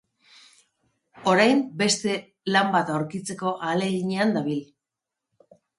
Orain beste lan bat aurkitzeko ahaleginean dabil.